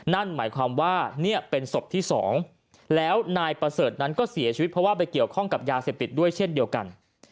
นั่นหมายความว่าเนี่ยเป็นศพที่๒แล้วนายประเสริฐนั้นก็เสียชีวิตเพราะว่าไปเกี่ยวข้องกับยาเสพติดด้วยเช่นเดียวกัน